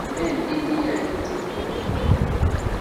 bankit nie kityo eng' kokwet ko mugul.